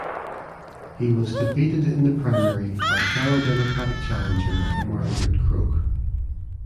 He was defeated in the primary by fellow Democratic challenger Margaret Croke.